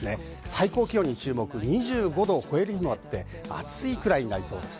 最高気温に注目、２５度を超える日もあって暑いくらいになりそうです。